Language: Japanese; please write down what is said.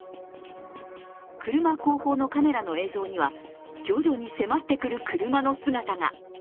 車後方のカメラの映像には、徐々に迫ってくる車の姿が。